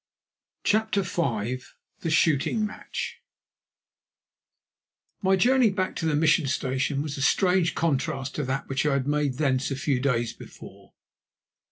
CHAPTER V. THE SHOOTING MATCH My journey back to the Mission Station was a strange contrast to that which I had made thence a few days before.